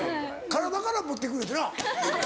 体から持ってくんやってな。